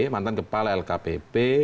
mantan kepala lkpp